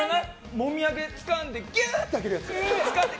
もみあげをつかんでギューンって上げるやつ。